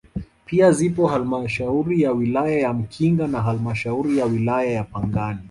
Pia zipo halmashauri ya wilaya ya Mkinga na halmashauri ya wilaya ya Pangani